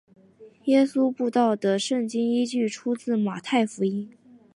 耶稣步道的圣经依据出自马太福音。